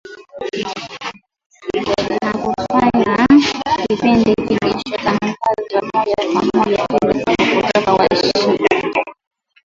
na kufanywa kipindi kilichotangazwa moja kwa moja kila siku kutoka Washington